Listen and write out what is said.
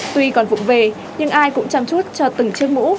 tuy còn vụn về nhưng ai cũng chăm chút cho từng chiếc mũ